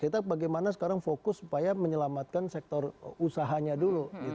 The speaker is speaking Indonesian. kita bagaimana sekarang fokus supaya menyelamatkan sektor usahanya dulu